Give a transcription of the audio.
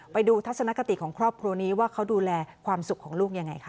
ทัศนคติของครอบครัวนี้ว่าเขาดูแลความสุขของลูกยังไงคะ